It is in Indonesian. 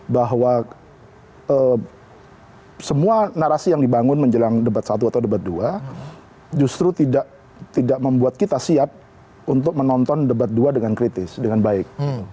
bahwa semua narasi yang dibangun menjelang debat satu atau debat dua justru tidak membuat kita siap untuk menonton debat dua dengan kritis dengan baik